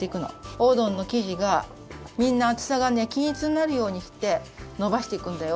おうどんの生地がみんなあつさがねきんいつになるようにしてのばしていくんだよ。